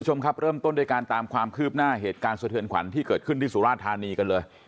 คุณผู้ชมครับเริ่มต้นด้วยการตามความคืบหน้าเหตุการณ์สะเทือนขวัญที่เกิดขึ้นที่สุราธานีกันเลย